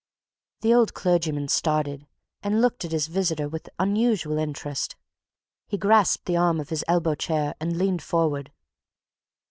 The old clergyman started, and looked at his visitor with unusual interest. He grasped the arm of his elbow chair and leaned forward.